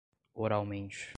oralmente